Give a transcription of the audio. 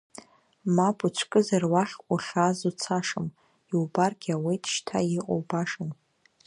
Мап уцәкызар уахь уахьааз уцашам, иубаргьы ауеит шьҭа иҟоу башан.